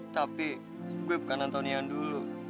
tapi gue bukan antonia yang dulu